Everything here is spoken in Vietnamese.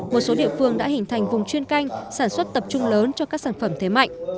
một số địa phương đã hình thành vùng chuyên canh sản xuất tập trung lớn cho các sản phẩm thế mạnh